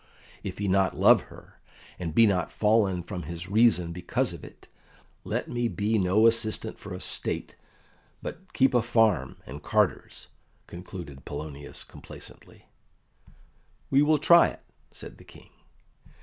"If he love her not, and be not fallen from his reason because of it, let me be no assistant for a State, but keep a farm and carters," concluded Polonius complacently. "We will try it," said the King.